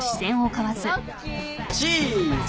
チーズ！